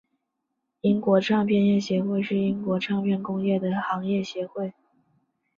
英国唱片业协会是英国唱片工业的行业协会。